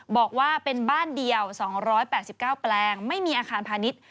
บอกว่าเป็นบ้านเดียว๒๘๙แปลงไม่มีอาคารพาณิชย์